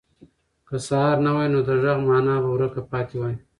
که سهار نه وای، نو د غږ مانا به ورکه پاتې وای.